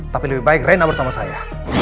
tapi lebih baik reina bersama saya